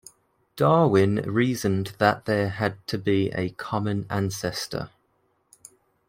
Darwin reasoned that there had to be a common ancestor.